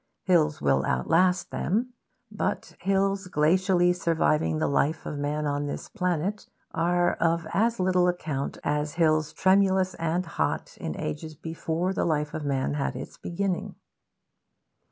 Hills will outlast them; but hills glacially surviving the life of man on this planet are of as little account as hills tremulous and hot in ages before the life of man had its beginning.